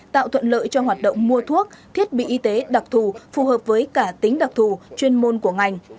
tạo thuận lợi cho hoạt động mua thuốc thiết bị y tế đặc thù phù hợp với cả tính đặc thù chuyên môn của ngành